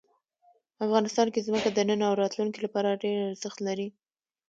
افغانستان کې ځمکه د نن او راتلونکي لپاره ډېر ارزښت لري.